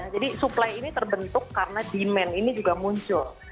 jadi suplai ini terbentuk karena demand ini juga muncul